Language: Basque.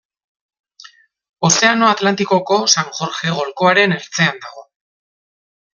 Ozeano Atlantikoko San Jorge golkoaren ertzean dago.